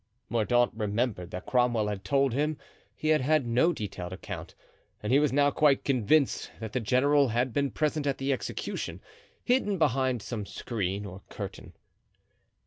Mordaunt remembered that Cromwell had told him he had had no detailed account, and he was now quite convinced that the general had been present at the execution, hidden behind some screen or curtain.